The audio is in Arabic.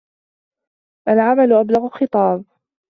العمل أبلغ خطابٍ